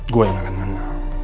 gue yang akan menang